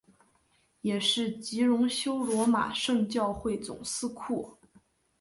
也是及荣休罗马圣教会总司库。